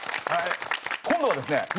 今度はですね